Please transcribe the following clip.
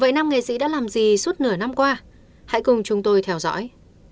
vậy năm nghệ sĩ đã làm gì suốt nửa năm qua hãy cùng chúng tôi theo dõi